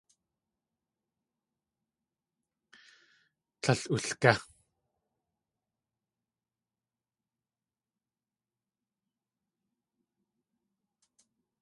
Tlél ulgé.